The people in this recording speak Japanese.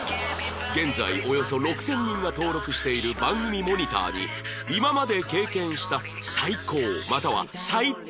現在およそ６０００人が登録している番組モニターに今まで経験した